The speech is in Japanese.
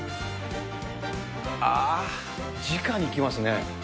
ああ、じかにきますね。